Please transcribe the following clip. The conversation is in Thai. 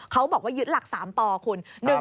เขาบอกว่ายึดหลัก๓ปคุณ